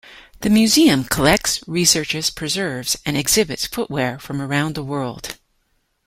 The museum collects, researches, preserves, and exhibits footwear from around the world.